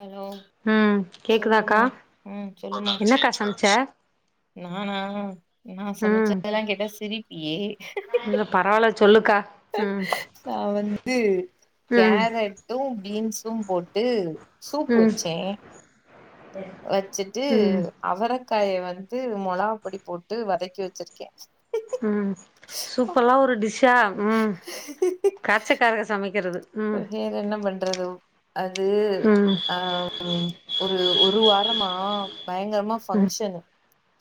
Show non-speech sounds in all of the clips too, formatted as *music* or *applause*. Hello ம் கேக்குதாக்கா சொல்லுமா ம் சொல்லுமா என்னக்கா சமைச்ச நானா நா ம் சமைச்சதெல்லா கேட்டா சிரிப்பியே இல்ல பரவால்ல சொல்லுக்கா ம் நா வந்து ம் கேரட்டு பீன்ஸு போட்டு சூப்பு ம் வச்சே வச்சுட்டு ம் அவரக்காய வந்து மொளாகா பொடி போட்டு வதக்கி வச்சிருக்கே ம் சூப்பல்லா ஒரு டிஷ்ஷா ம் காய்ச்சக்காரக சமைக்கிறது. ம் வேற என்ன பண்றது அது ம் அ ஒரு ஒரு வாரமா பயங்கரமா ம் ஃபங்க்ஷன்.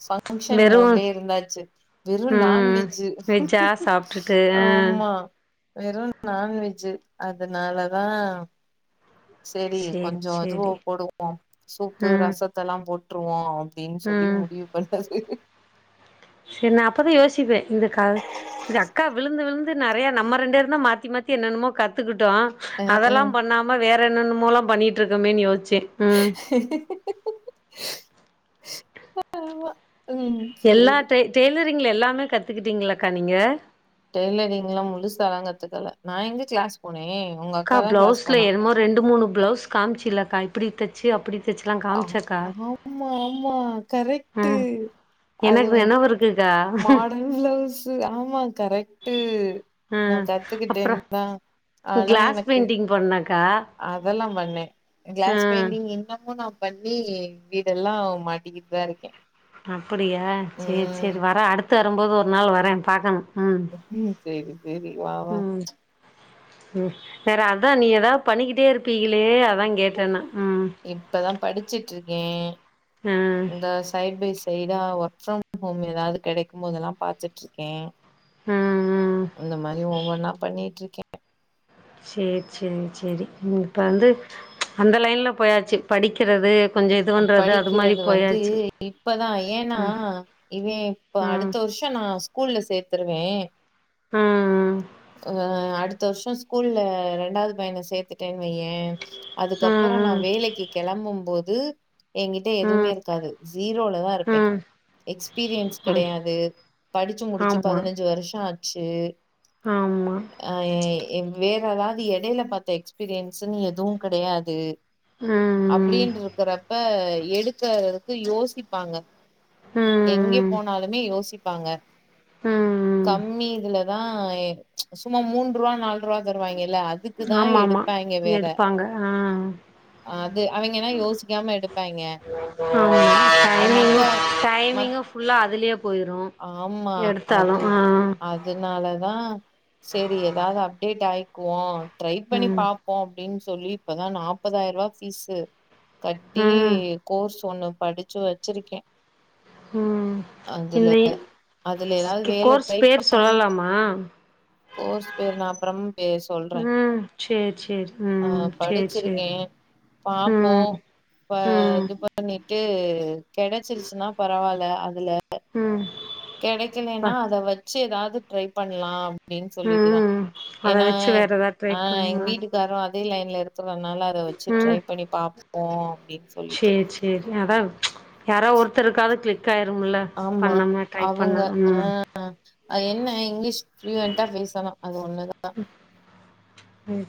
ஃபங்க்ஷன் வெறு மோட்லயே இருந்தாச்சு வெறும் ம் நான்வெஜ்ஜு. வெஜ்ஜா சாப்ட்டுட்டு ஆ ஆமா வெறும் நான்வெஜ் அதனாலதா சேரி கொஞ்சோ இதுவோ போடுவோ சூப்பு, ம் ரசத்தல்லா போட்டுருவோ அப்டீன்னு சொல்லி ம் முடிவு பண்ணது. சேரி நா அப்பதா யோசிப்பே இந்த கா இந்த அக்கா விழுந்து விழுந்து நறைய நம்ம ரெண்டு பேருதா மாத்தி மாத்தி என்னென்னமோ கத்துக்கிட்டோ அ அ அதெல்லா பண்ணாம வேற என்னென்னமோல்லா பண்ணிட்டு இருக்கமேன்னு யோசிச்சே ம் ஆமா ம் எல்லா சேரி டெ டெய்லரிங்கில எல்லாமே கத்துக்கிட்டீங்களாக்கா நீங்க டெய்லரிங்லா முழுசாலா கத்துக்கல நா எங்க கிளாஸ் போனே உங்க அக்கா தா கிளாஸ் பிளவுஸ்ல போனா என்னமோ ரெண்டு மூணு ப்ளவுஸ் காமிச்சேலக்கா இப்டி தைச்சு அப்டி தைச்சலா ஆ காமிச்சாக்கா ஆமா ஆமா கரெக்டு அது எனக்கு வந்து நெனவு இருக்குக்கா மாடன் பிளவுஸ்ஸு ஆமா கரெக்டு நா ம் அப்றோ கத்துக்கிட்டேன்தான் ஆனா கிளாஸ் எனக்கு *unintelligible* அதெல்லா பண்ணே கிளாஸ் ம் பெயிண்டிங் இன்னமு நா பண்ணி வீடெல்லா மாட்டிக்கிட்டுதா இருக்கே அப்டியா சேரி ம் சேரி வரே அடுத்து வருபோது ஒரு நாள் வரே பாக்கணு ம் ம் சேரி சேரி வா வா ம் ம் வேற அதா நீ ஏதாவது பண்ணிக்கிட்டே இருப்பீங்களே அ இப்பதா படிச்சுட்டு இருக்கே ஆ இந்த சைட் பை சைடா ஒர்க் ஃப்ரம் ஹோம் எதாவது கெடைக்கும் போதெல்லா பாத்துட்டு இருக்கே ம் ம் அந்த மாரி ஒவ்வொன்னா பண்ணிட்டு இருக்கே சேர் சேரி சேரி இப்போ வந்து அந்த லைன்ல போயாச்சு படிக்கிறது கொஞ்சோ இது அப் பண்றது அது மாரி படிக்குறது வந்து போயாச்சு இப்பதா ஏன்னா ம் இவேன் இப்ப ம் அடுத்த வருஷ் ஷோ நா ஸ்கூல்ல சேர்த்துருவே ம் அ அடுத் அடுத்த வருஷோ ஸ்கூல்ல ரெண்டாவது பையன சேர்த்துட்டேன்னுவையே அதுக்கப்பறோ நா ம் வேலைக்கு கெளம்பும் போது எங்கிட்ட எதுவுமே ம் இருக்காது ஜீரோலதா இருப்பே ம் எக்ஸ்பீரியன்ஸ் ம் கெடையாது படிச்சு முடிச்சு ஆமா பதினஞ்சு வருஷோ ஆச்சு ஆமா அ வேற ஏதாவது இடைல பாத்த எக்ஸ்பீரியன்ஸுன்னு எதுவு கெடையாது ம் அப்டின்ட்ருக்றப்ப எடுக்கறதுக்கு யோசிப்பாங்க எங்கே ம் போனாலுமே யோசிப்பாங்க ம் ம் கம்மி இதுல தா சும்மா மூன்று ரூபா நால் ரூபா தருவாங்கேல்ல அதுக்குதா ஆமா ஆமா எடுப்பாங்க வேற எடுப்பாங்க ஆ அது அவைங்கன்னா யோசிக்காம எடுப்பாய்ங்க ஆமா அது டைமிங்கு மத்தோ டைமிங்கு ஃபுல்லா அதுலயே போயிரு எடுத்தாலு ஆ அதுனால தா சேரி எதாவது அப்டேட் ஆயிக்குவோ ட்ரை பண்ணி ம் பாப்போ அப்டின்னு சொல்லி இப்பதா நாப்பதாயிரபா ஃபீஸு கட்டி ம் கோர்ஸ் ஒண்ணு படிச்சு வச்சிருக்க ம் இந்த அதுல எதாவது இ வேல கோர்ஸ் ட்ரை பேர் பண்ணணு சொல்லலாமா கோர்ஸ் பேரு நா அப்றமா பேசு சொல்ற ம் சேரி சேரி அ ம் சேரி படிச்சிருக்க சேரி பாப்போ ம் ப ம் இது ப பண்ணிட்டு கெடச்சிருச்சுன்னா பரவால்ல அதுல ம் பா கெடைக்கலன்னா அத வச்சு எதாவது ட்ரை பண்லா அப்டின்னு சொல்லிட்டுதா ம் அத ஏன்னா வச்சு வேற ஏதாவது ட்ரை அ எங் பண்ணுங்க வீட்டுக்காரு அத் அதே லைன்ல இருக்றனால அத வச்சி ம் ட்ரை பண்ணி பாப்போ அப்டின்னு சொல்லிட்டு செரி அதா யாரோ ஒருத்தருக்காது கிளிக் ஆயிருமுல்ல பண்ணம்ன்னா ட்ரை பண்ணா ம் அ அது என்ன இங்கிலீஷ் ஃப்ளுயெண்ட்டா பேசணு அது ஒண்ணுதா ம்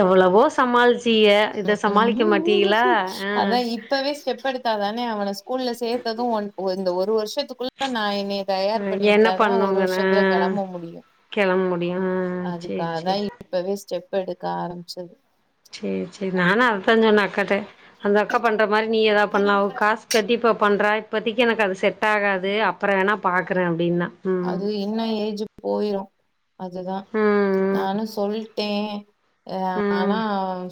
எவ்ளோவோ சமாளிச்சிக இத சமாளிக்க மாட்டீகளா ம்ஹும் அ அதா இப்பவே ஸ்டெப் எடுத்தா தானே அவன ஸ்கூல்ல சேத்தது ஒன் இந்த ஒரு வருஷத்துக்குள்ள நா என்னய்ய தயார் ஆ என்ன பண்ணிக்கிட்டாதா ஒரு பண்ணுங்கன்னு ஆ வருஷத்துல கிளம்ப முடியு கெளம்ப முடியு ஆ சேரி அதுக்காகதா சேரி இப் இப்பவே ஸ்டெப் எடுக்க ஆரம்பிச்சது சேர் சேரி நானு அது தா சொன்ன அக்காட்ட அந்த அக்கா பண்ற மாரி நீ எதா பண்லா ஒ காஸ் கட்டி இப்ப பண்றா இப்பத்திக்கி எனக்கு அது செட் ஆகாது அப்றோ வேணா பாக்குற அப்டின்னா ம் அது இன்னு ஏஜு போயிரு அதுதா ம் ம் நானு சொல்ட்டே அ ஆனா ம்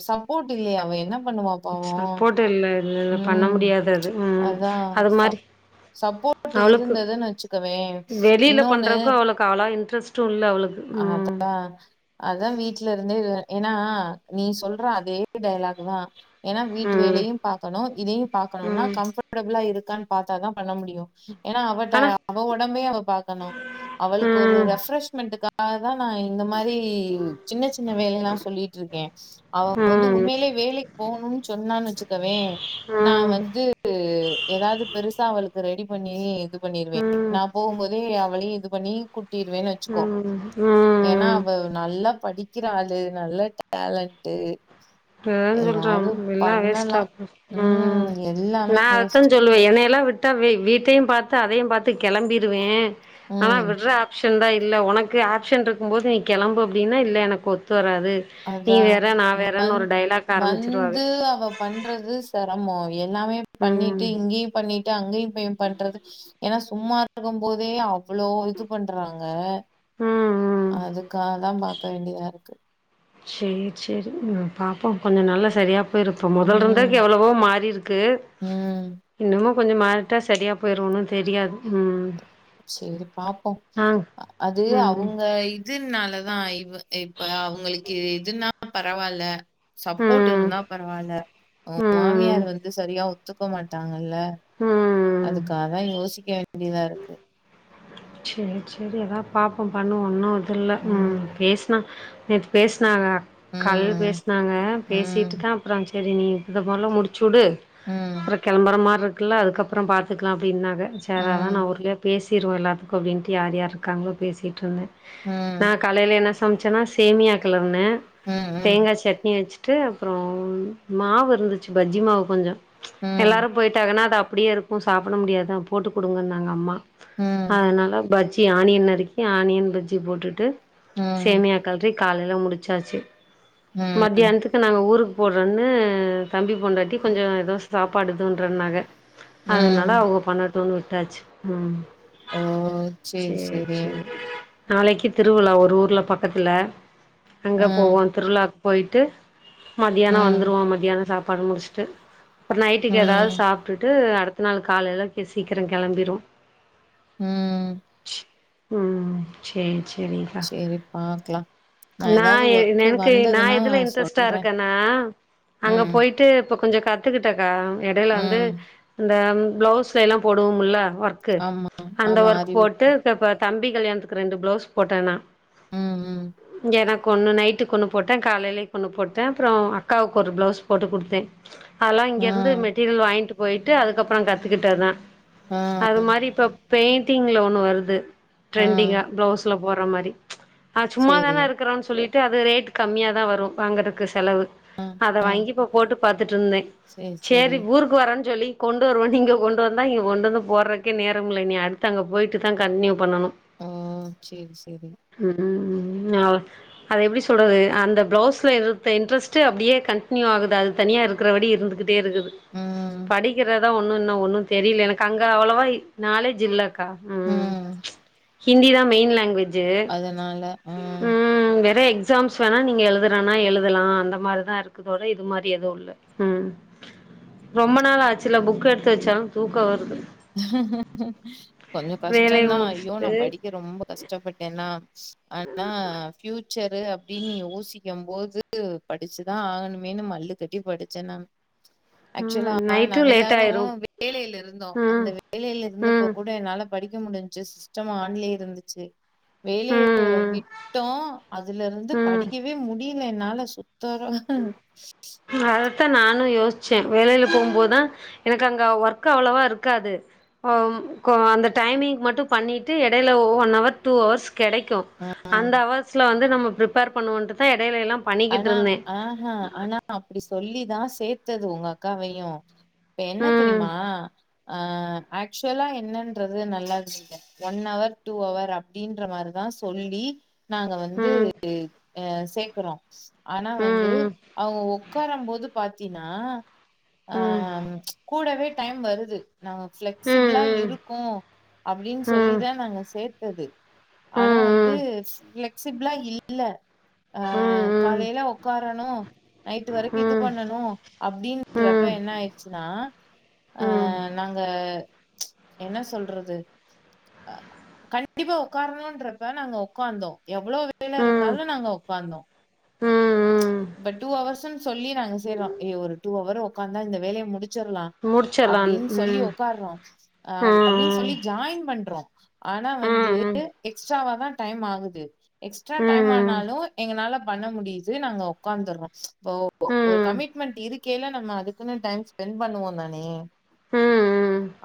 சப்போட் இல்லயாமே அவ என்ன பண்ணுவா பாவம்? சப்போட் இல்ல இது பண்ண ம். முடியாது அது ம் அதான் அது மாரி சப் சப்போர்ட் அவளுக்கு இருந்ததுன்னு வச்சுக்கவேன், வெளியில இன்னொன்னு பண்றக்கு அவளுக்கு அவ்ளோவா இன்ட்ரெஸ்ட் எது இல்ல அவளுக்கு அ ம் அதா வீட்ல இருந்தே வே ஏனா நீ சொல்ற அதே டைலாக்கு தா ஏனா வீட்டு ம் வேலயு பாக்கனு இதயு பாக்கனுனா ம் கம்ஃபர்டபிளா இருக்கான் பாத்தா தா பண்ண முடியு ஏனா அவட்ட ஆனா அவ ஒடம்பே அவ பாக்கனு அவளுக்கு ஒரு ம் ரெஃப்ரெஷ்மெண்ட்டுக்காக தா நா இந்த மா ரி சின்ன சின்ன வேலெல்லா சொல்லிட்ருக்கே அவ வந்து ம் உண்மைலே வேலைக்கு போகுனுன் சொன்னா வச்சிக் ம் நா ம் வந்து எதாது பெருசா அவுளுக்கு ரெடி பண்ணி இது பண்ணிருவ ம் நா போகும் போது அவளையு இது பண்ணி கூட்டிருவேன் வெச்சுக்கோ ம் ஏனா ம் அவ நல்லா படிக்கிற ஆளு நல்ல டேலண்ட்டு அதா சொல்றா ஏதாவது எல்லா வேஸ்டா பண்ணலா ம் எல்லாமே நா அத்தா வேஸ்ட்டு சொல்லுவே என்னயெல்லா விட் டா வீ வீட்டையு பாத்து அதயு பாத்து கெளம்பிருவே ஆனா ம் விட்ற ஆப்ஷன் தா இல்ல ஒனக்கு ஆப்ஷன் இருக் க்கும் போது நீ கெளம்பு அப்டின்னா இல்ல எனக்கு ஒத்து வராது நீ அதா வேற நா வேறனு வந் ஒரு டைலாக் ஆரம்பிச்சிருவாக வந்து அவ பண்றது செரமோ அவ எல்லாமே பண்ணிட்டு ம் இங்யு பண்ணிட் ட்டு அங்கேயு போய் பண்றது ஏனா சும்மா இருக்கும் போதே அவ்ளோ இது பண்றாங்க ம் ம் அதுக்காதா பாக்க வேண்டிதா இருக்கு சேரி சேரி ம் பாப்போ கொஞ்ச நல்லா சரியா பொ யிருக்கு மொதல் ம் இருந்தர்க்கு எவ்ளவோ மாறி இருக்கு ம் இன்னமு கொஞ்ச மாறிட்டா சரியா பொயிரு ஒன்னு தெரியாது ம் சேரி பாப்போ ஆ அது ம் அவுங்க இ துனாலதா இவ இப்ப அவுங்ளுக்கு இதுனாலு பரவால சப்போர்ட் ம் இருந்தா பரவால்ல அவங்க ம் மாமியார் வந்து சரியா ஒத்துக்க மாட்டாங்கல்ல ம் ம் அதுக்காதா யோசிக்க வேண்டிதா இருக்கு சேரி சேரி எதா பாப்போ பண்ணுவோ இன்னோ இது இல்ல ம் பேசுனா பேசுனாங்க கால்ல ம் பேசுனாங்க பேசிட்டு ம் தா அப்றோ செரி இந்த மார்லா முடிச்சுடு ம் கெளம்பற மாரி இருகில்ல அதுக்கப்றோ பாத்துக்லா அப்டின்னாங்க சேர் அதா நா ம் ஒர்ளே பேசிர்வேல அப் அப்டின்ட்டு யார் யார் இருக்காங்களோ பேசிட்ருந்தே ம் நா ம் காலைல என்னா சமச்சேனா சேமியா கெளர்னே ம் தேங்கா சட்னி வச்சி ட்டு அப்றோ மாவு இருந்துச்சி பஜ்ஜி மாவு கொஞ்சோ ம் எல்லாரு பொயிட்டாங்கன்னா அது அப்டியே இருக்கு சாப்ட முடியாதா போட்டு குடுங்கனாங்க அம்மா அதனால பஜ்ஜி ஆனியன் நறுக்கி ஆனியன் பஜ்ஜி போட்டுட்டு ம் சேமியா கல்றி காலைல முடிச்சாச்சி ம் மத்தியானத்துக்கு நாங்க ஊருக்கு போறோன்னு தம்பி பொண்டாட்டி கொஞ்ச எதோ சாப் பாடுதுன்றனாக அதனால ம் அவங்க பண்ணட்டுன் விட்டாச்சி ம் ஓ சேரி சேரி நாளக்கி திருவுழா ஒரு ஊர்ல பக்கத்துல அங்க ம் போவோ திருவுழாக்கு பொயிட்டு மத்தியான ம் வந்துருவோ மத்தியான சாப்பாடு முடிச்சிட்டு அப்றோ நைட்டுக்கு எதாது ம் சாப்டுட்டு அடுத்த நாள் காலைலல சீக்கிர கெளம்பிர்வோ ம் ம் சேரி சேரிக்கா சரி பாக்கலாம். நான் நா ஏதாவது ஒர்க் எனக்கு நா வந்ததுன்னா இதுல இன்ட்ரெஸ்ட்டா சொல்றேன். இருக்கன்னா அங்க ம், போய்ட்டு இப்ப கொஞ்சோ கத் கத்துக்கிட்டக்கா எடைல வந்து ம். இந்த ப்ளவுஸ்ல எல்லா போடுவோம்ல ஒர்க் கு ஆமா, அந்த ஆமா. ஒர்க் அறிவு போட்டு இருக்கு. இப்ப தம்பி கல்யாணத்துக்கு ரெண்டு ப்ளவுஸ் போட்டனா ம், ம். இங்கதா கொண்ணு நைட்டுக் ஒன்னு போட்டே காலேலைக் ஒன்னு போட்டே அப்புறோ அக்காவுக்கு ஒரு ப்ளவுஸ் போட்டு குடுத்தே அதெல்லா ஆ, இங்கருந்து மெட்டீரியல் வாய்ங்ட்டு போய்ட்டு அதுக்கப்புறோ கத்துக்கிட்டதா ஆ, அது மாரி இப்ப பெயிண்டிங்ல ஒன்னு வருது ஆ. ட்ரெண்டிங்கா ப்ளவுஸ் ல போற மாரி அ சரி. சும்மாதான இருக்கறோன் சொல்லிட்டு அது ரேட் கம்மியாதா வரு வாங்குறக்கு செலவு ஆ, அத ஆ. வாங்கி இப்ப போட்டு பாத்துட்ருந்தே சரி, சரி. சேரி ஊருக் வரோன் சொல்லி கொண்டு வருவோன் இங்க கொண்டு வந்தா இங்க கொண்டு வந்து போறக்கே நேரம் இல்ல இனி அடுத்த அங்க போய்ட்டு தா கன்டினியூ பண்ணணு ம் சேரி சேரி ம் அவ அத எப்டி சொல்றது அந்த ப்ளவுஸ்ல இருத்த இன்ட்ரெஸ்ட்டு அப்டியே கன்டினியூ ஆகுது அது தனியா இருக்கறபடி இருந்துகுட் இருக்குது ம், படிக்கிறதா ஒன்னு இன்னு ஒன்னு தெரியல எனக்கு அங்க அவ்வளவா நாலேஜ் இல்லக் ம் ஹிந்திதா மெயின் லாங்குவேஜ் ஜு ம் வேறு எக்ஸாம்ஸ் வேணா நீங்க எழுதுறன்னா எழுதலா அந்த மாரிதா இருக்குது ஒரே இது மாரி எதுவு இல்ல ம் ரொம்ப நாள் ஆச்சுல புக் எடுத்து வெச்சாலு தூக்கோ வருது கொஞ்சோ வேலைய கஷ்டோதா ஐயோ நா முடிச்சுட்டு படிக்க ரொம்ப கஷ்டப்பட்டேனா ஆனா ஃபியூச்சரு அப்டினு யோசிக்கும்போது படிச்சுதா ஆகணுமேனு மல்லு கட்டி படிச்சே நான் ம் ஆக்சுவலா நைட்டு நாங்க லேட் எல்லாரு ஆயிரு வேலைல இருந்தோ அந்த ம் வேலைல ம் இருந்தப்போகூட என்னால படிக்க முடிஞ்ச்சு சிஸ்டம் ஆன்லயே இருந்துச்சு வேலைய ம் விட்டோ அதுல இருந்து ம் ம் படிக்கவே முடியல என்னால சுத்தரா ஆ அதத்தா நானு யோசிச்சே வேலைல போகும்போதுதா எனக்கு அங்க ஒர்க் அவ்ளவா இருக்காது ஓ அந்த டைமிங் மட்டு பண்ணிட்டு எடைல ஒன் ஹவர் டூ அவர்ஸ் கெடைக்கு அந்த அவர்ஸ்ல வந்து நம்ம பிரிப்பேர் பண்ணுவோன்ட்டுதா எடையிலலா பண்ணிக்கிட்ருந்தே ஆஹ ஆனா அப்டி சொல்லிதா சேத்தது உங்க அக்காவையு இப்ப என்ன ம் தெரிமா ஆ ஆக்சுவலா என்னன்றது நல்லா இருங்க ஒன் ஹவர் டூ அவர் அப்டின்ற மாரிதா சொல்லி நாங்க வந்து ம் ஆ சேக்குறோ ஆனா வந்து ம் அவுங்க ஒக்கார போது பாத்தீன்னா ஆ ம் கூடவே டைம் வருது நாங்க ஃபிளெக்சிபிளா ம் இருக்கு அப்டின் ம் ம் சொல்லிதா நாங்க சேத்தது ஆனா வந்து ம் ஃபிளெக்சிபிளா இல்ல ஆ ம் ம் ம் காலைல உக்காரணு நைட்டு வரைக்கு இது ம் பண்ணணு அப்டின்றப்ப என்ன ஆய்ருச்சுன்னா ம் ஆ ம் நாங்க என்ன சொல்றது கண்டிப்பா உக்காரணுன்றப்ப நாங்க உக்காந்தோ எவ்வளோ வேல ம் இருந்தாலு நாங்க உக்காந்தோ ம் இப்ப டூ ஹவர்ஸ்சுன் சொல்லி நாங்க செய்றோ ஏய் ஒரு டூ ஹவர் உக்காந்தா இந்த வேலைய முடிச்சிர்லா முடிச்சிர்லான் அப்டின் சொல்லி ம் உக்கார்றோ அ அது அப்படின் சொல்லி ம் ஜாயின் பண்றோ ஆனா ம் வந்து ம் எக்ஸ்ட்ராவாதா டைம் ஆகுது எக்ஸ்ட்ரா டைம் ம் ஆனாலு எங்கனால பண்ண முடியுது நாங்க உக்காந்துர்றோ இப்போ ஒரு ம் கமிட்மெண்ட் இருக்கேல்ல நம்ம அதுக்குன்னு டைம் ஸ்பென் பண்ணுவோந் தானே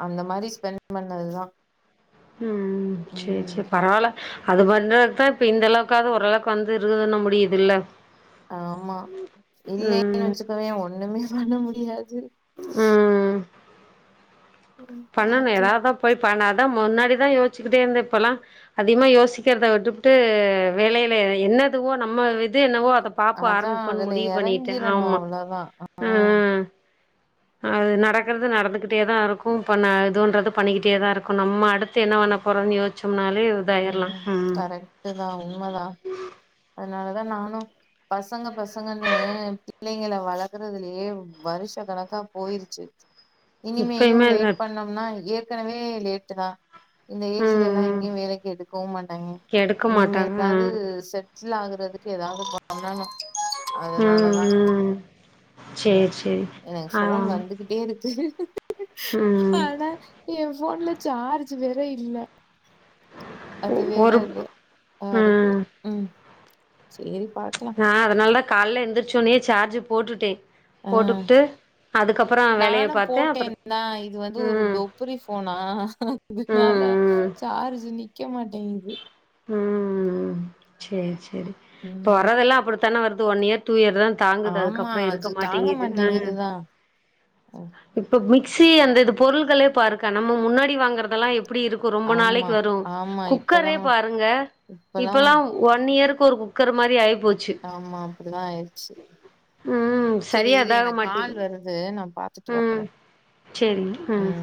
அந்த மாரி ஸ்பெண் பண்ணதுதா ம் சேர் சேர் பரவால அத பண்றதுதா இப்ப இந்த அளவுக்காவ்து ஓரளவுக்கு வந்து இருக்குதுன்ன முடியுதுல்ல ஆமா இல்லைன் ம் வெச்சுக்கவே ஒண்ணுமே பண்ண முடியாது ம் ம் பண்ணணு பாக்கலா எதாவ்தா போய் பண்ண அதா முன்னாடிதா யோஸ்ச்சுக்கிட்டே இருந்தே இப்பல்லா அதிகமா யோசிக்கிறத விட்டுபுட்டு வேலையில என்னதுவோ நம்ம இ து என்னவோ அத பாப்ப அதா ஆரம்பிப்பன் அதுல முடிவு பண்ணிட்டே எறங்கிரணு ஆமா அவ்ளோதா ஆ ம்‌ ம் அது நடக்குறது நடந்துகிட்டேதா இருக் கு பண்ண இதுன்றது பண்ணிக்கிட்டே தா இருக்கு நம்ம அடுத்து என்ன பண்ண போறோன் யோஸ்ச்சோம்னாலே இதாயிரலா ம் ட்டுதா உண்மதான அதனாலதா நானு பசங்க பசங்கன்னு பிள்ளைங்கல வளர்க்கிறதுலியே வருஷ கணக்கா போயிருச்சு இனிமேயு இப்பயுமே லேட் இது பண்ணோம்னா ஏற்கனவே லேட்டுதா இந்த ம் ஏஜுலெல்லா ம் எங்கேயு வேலைக்கு எடுக்கவு மாட்டாய்ங்க எடுக்க மாட்டாங்க இனிமேலாது ம் செட்டில் ஆகுறதுக்கு எதாவ்து பண்ணனு ம் அதனாலதா ம் ஆ சேரி சேரி எனக்கு ஆ ஃபோன் வந்துகிட்டே இருக்கு ம் ஆனா எ ஃபோன்ல சார்ஜ் வேற இல்ல அது வேற ஒரு எது அ இருக்கு ம் ம் சேரி பாக்கலா ஆ அதனாலதா கால்ல எந்திரச்சோன்னே சார்ஜு போட்டுட்டே ஆ போட்டுபிட்டு அதுக்கப்புறோ வேலைய நானும் பாத்தே அப்புற ம் புரி ஃபோனா அதனால ம் ம் சார்ஜ் நிக்க மாட்டேங்குது ம் சேர் சேரி இப்ப ம் வரதெல்லா அப்படித்தான வருது ஒன் இயர் டூ இயர் தா தாங்குது ஆமா அதுக்கப்றோ இருக்க அது தாங்க மாட்டேங்கிது அ மாட்டேங்குதுதான் அஹ், இப்ப மிக்சி அந்த இது பொருள்களே பாருக்க நம்ம முன்னாடி வாங்குறதெல்லா எப்படி இரு க்கு ரொம்ப நாளைக்கு ஆமா வரு ஆமா குக்கரே இப்பதான் பாருங்க இப்பல்லாம் இப்பல்லா ஒன் இயருக்கு ஒரு குக்கர் மாரி ஆயி போ ஆமா அப்படிதா ஆய்ட்ச்சு ம் செரி சரியா இரு இதாக எனக் மாட்டேது கால் வருது நா பாக் ம் செரிங்க அ ம்